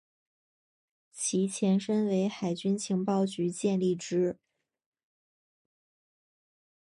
其前身为海军情报局建立之。